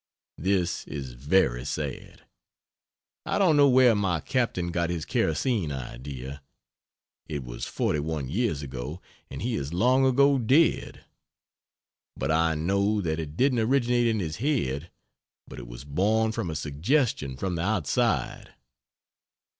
This is very sad. I don't know where my captain got his kerosene idea. (It was forty one years ago, and he is long ago dead.) But I know that it didn't originate in his head, but it was born from a suggestion from the outside.